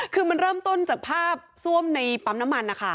คือมันเริ่มต้นจากภาพซ่วมในปั๊มน้ำมันนะคะ